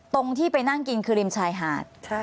ตรงที่ไปนั่งกินคือริมชายหาด